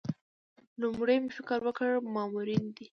لومړی مې فکر وکړ مامورینې دي.